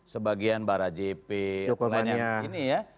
sebagian barajipik lainnya